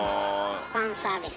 ファンサービス。